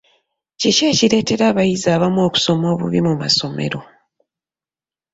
Kiki ekireetera abayizi abamu okusoma obubi mu amasomero?